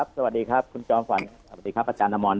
สวัสดีครับคุณจองสวัสดีครับอาจารย์นามอน